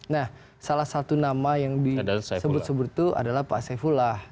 nah salah satu nama yang disebut sebut itu adalah pak saifullah